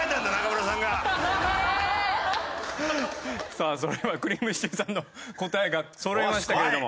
さあそれではくりぃむしちゅーさんの答えがそろいましたけれども。